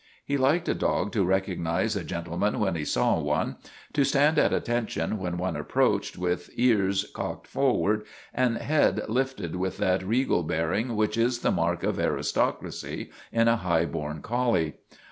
He liked a dog to recognize a gentleman when he saw one, to stand at attention when one approached, with ears cocked forward and head lifted with that regal bear ing which is the mark of aristocracy in a high born collie.